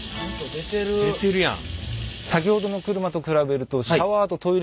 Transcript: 出てるやん。